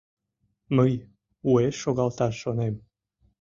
Мый уэш шогалташ шонем.